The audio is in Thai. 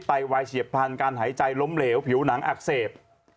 ไวเฉียบพลันการหายใจล้มเหลวผิวหนังอักเสบ